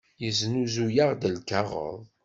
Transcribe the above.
Yesnuzuy-aɣ-d lkaɣeḍ.